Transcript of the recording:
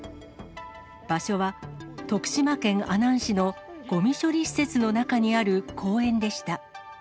場所は徳島県阿南市のごみ処理施設の中にある公園でした。